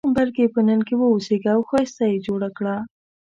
بلکې په نن کې واوسېږه او ښایسته یې جوړ کړه.